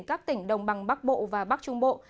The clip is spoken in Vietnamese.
các tỉnh đồng bằng bắc bộ và bắc trung bộ